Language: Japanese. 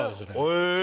へえ！